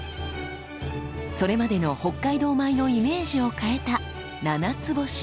それまでの北海道米のイメージを変えた「ななつぼし」。